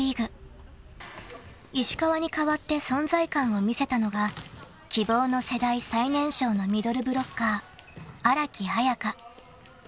［石川に代わって存在感を見せたのが希望の世代最年少のミドルブロッカー］